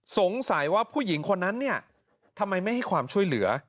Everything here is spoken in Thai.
สงสัยว่าผู้หญิงคนนั้นเนี่ยทำไมไม่ให้ความช่วยเหลือ